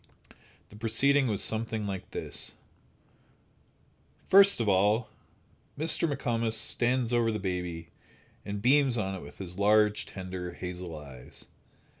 The proceeding was something like this: First of all, Mr. McComas stands over the baby, and beams on it with his large, tender, hazel eyes.